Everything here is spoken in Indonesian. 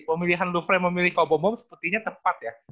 pemilihan lufrey memilih cobombomb sepertinya tepat ya